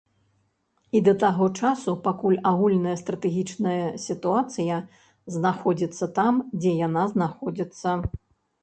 І да таго часу, пакуль агульная стратэгічная сітуацыя знаходзіцца там, дзе яна знаходзіцца.